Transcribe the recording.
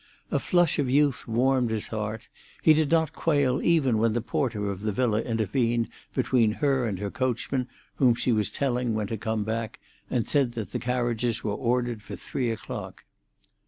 A flush of youth warmed his heart; he did not quail even when the porter of the villa intervened between her and her coachman, whom she was telling when to come back, and said that the carriages were ordered for three o'clock.